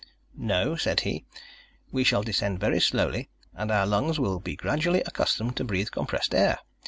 "No," said he. "We shall descend very slowly, and our lungs will be gradually accustomed to breathe compressed air.